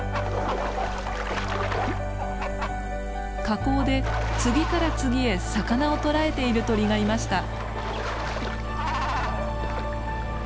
河口で次から次へ魚を捕らえている鳥がいました。